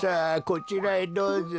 こちらへどうぞ。